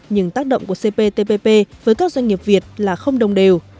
nhưng tác động của cptpp với các doanh nghiệp việt là không đồng đều